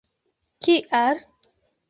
Kial!?